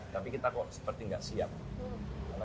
tapi kita kok seperti nggak siap